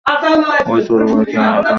ও ছোঁড়াটাকে আর রাখা নয়।